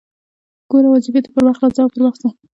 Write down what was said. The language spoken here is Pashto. ګوره! واظيفې ته پر وخت راځه او پر وخت ځه!